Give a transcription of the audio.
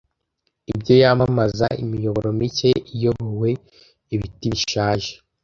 Ibyo yamamaza. Imiyoboro mike iyobowe, ibiti bishaje,